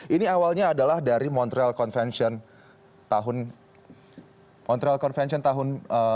ini awalnya adalah dari montreal convention tahun seribu sembilan ratus sembilan puluh sembilan